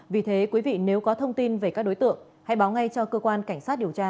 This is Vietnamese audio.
vì thế quý vị nếu có thông tin về các đối tượng hãy báo ngay cho cơ quan cảnh sát điều tra